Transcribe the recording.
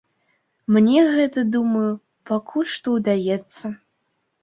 Мне гэта, думаю, пакуль што ўдаецца.